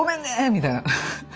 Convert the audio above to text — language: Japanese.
みたいな。